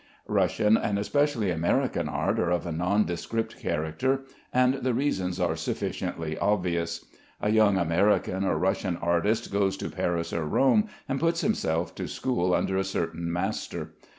Russian and especially American art are of a nondescript character, and the reasons are sufficiently obvious. A young American or Russian artist goes to Paris or Rome, and puts himself to school under a certain master.